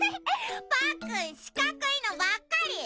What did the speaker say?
パックンしかくいのばっかり！